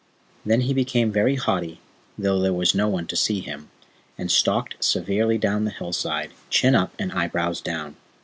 Then he became very haughty, though there was no one to see him, and stalked severely down the hillside, chin up and eyebrows down.